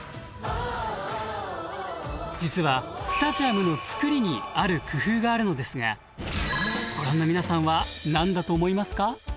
実はスタジアムの作りにある工夫があるのですがご覧の皆さんは何だと思いますか？